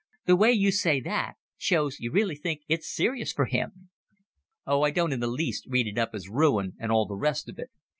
The way you say that, shows you really think it's serious for him." "Oh, I don't in the least read it up as ruin and all the rest of it.